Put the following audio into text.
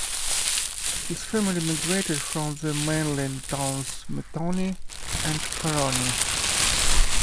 His family migrated from the mainland towns Methoni and Koroni.